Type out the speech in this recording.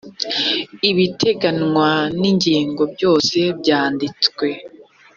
ibiteganywa n’ ingingo byose byanditswe.